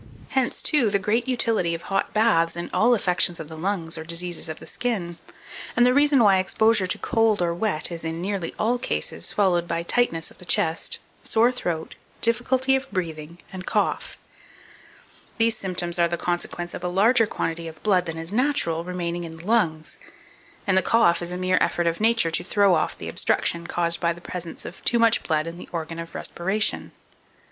Hence, too, the great utility of hot baths in all affections of the lungs or diseases of the skin; and the reason why exposure to cold or wet is, in nearly all cases, followed by tightness of the chest, sore throat, difficulty of breathing, and cough. These symptoms are the consequence of a larger quantity of blood than is natural remaining in the lungs, and the cough is a mere effort of Nature to throw off the obstruction caused by the presence of too much blood in the organ of respiration.